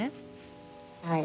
はい。